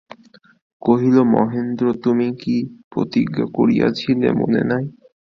কহিল, মহেন্দ্র, তুমি কী প্রতিজ্ঞা করিয়াছিলে মনে নাই?